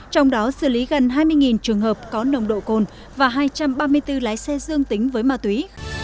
trong đó xử lý gần hai mươi trường hợp có nồng độ cồn và hai trăm ba mươi bốn lái xe dương tính với ma túy